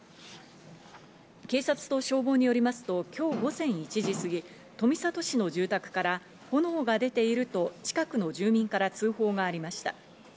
警察と消防によりますと今日午前１時過ぎ、富里市の住宅から炎が出ていると近くの住民から通報がありました。